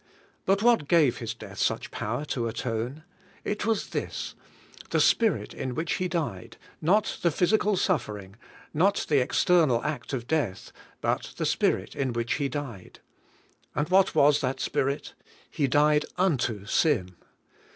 But what gave His death such power to atone? It was this: the spirit in which He died, not the physical suffering, not the external act of death, but the spirit in which He died. And what was that spirit? He died unto sin.